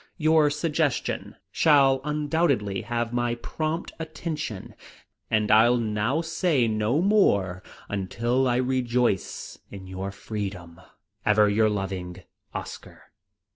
"Your suggestion shall undoubtedly have my prompt attention, and I'll now say no more, until I rejoice in your freedom. "Ever your loving "OSCAR."